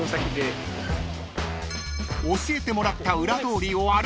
［教えてもらった］